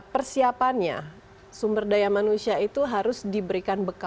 persiapannya sumber daya manusia itu harus diberikan bekas